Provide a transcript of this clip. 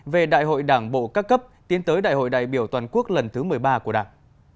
về đại hội đảng bộ các cấp tiến tới đại hội đại biểu toàn quốc lần thứ một mươi ba của đảng